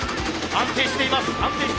安定しています。